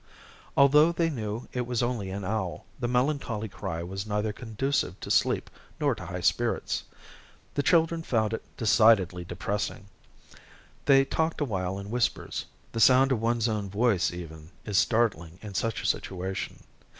Although they knew it was only an owl, the melancholy cry was neither conducive to sleep nor to high spirits. The children found it decidedly depressing. They talked awhile in whispers. The sound of one's own voice even is startling in such a situation.